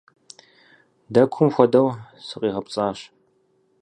Дэкум хуэдэу сыкъигъэпцӀащ.